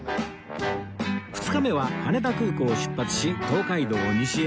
２日目は羽田空港を出発し東海道を西へ